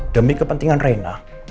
demi kepentingan rena